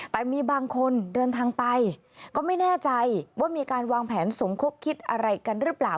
แต่มีบางคนเดินทางไปก็ไม่แน่ใจว่ามีการวางแผนสมคบคิดอะไรกันหรือเปล่า